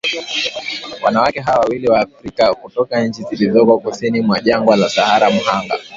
Wanawake hawa wawili Waafrika kutoka nchi zilizoko kusini mwa jangwa la Sahara mhanga